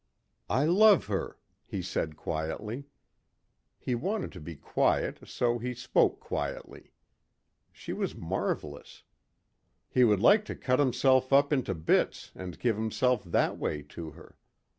"I love her," he said quietly. He wanted to be quiet so he spoke quietly. She was marvelous. He would like to cut himself up into bits and give himself that way to her.